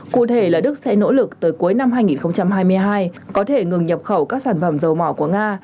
cụ thể là đức sẽ nỗ lực tới cuối năm hai nghìn hai mươi hai có thể ngừng nhập khẩu các sản phẩm dầu mỏ của nga